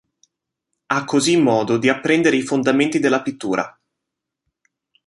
Ha così modo di apprendere i fondamenti della pittura.